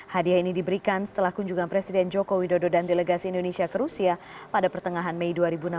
hadiah ini diberikan setelah kunjungan presiden joko widodo dan delegasi indonesia ke rusia pada pertengahan mei dua ribu enam belas